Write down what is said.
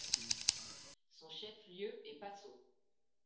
Son chef lieu est Passau.